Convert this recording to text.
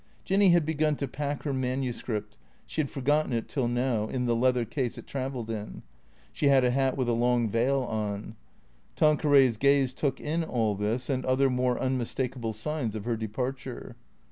Jinny had begun to pack her manuscript (she had forgotten it till now) in the leather case it travelled in. She had a hat with a long veil on. Tanqueray's gaze took in all this and other more unmistakable signs of her departure.